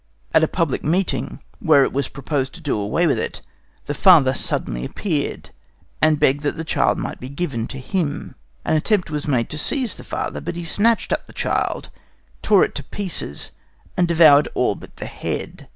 At a public meeting, where it was proposed to do away with it, the father suddenly appeared, and begged that the child might be given him. An attempt was made to seize the father, but he snatched up the child, tore it to pieces, and devoured all but the head.